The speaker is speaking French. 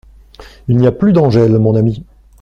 Il n’y a plus d’Angèle, mon ami !